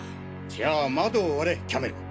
じゃあ窓を割れキャメル！